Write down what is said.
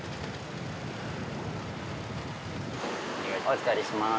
お預かりします。